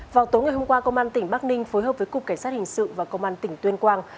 vào tối ngày hôm qua công an tỉnh bắc ninh phối hợp với cục cảnh sát hình sự và công an tỉnh tuyên quang